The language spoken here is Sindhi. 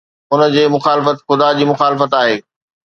ان جي مخالفت خدا جي مخالفت آهي.